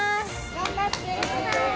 頑張って。